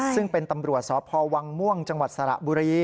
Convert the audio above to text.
ซึ่งเป็นตำรวจสพวังม่วงจังหวัดสระบุรี